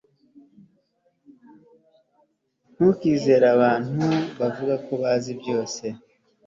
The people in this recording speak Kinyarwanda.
ntukizere abantu bavuga ko bazi byose